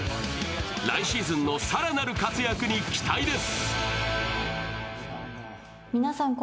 来シーズンの更なる活躍に期待です。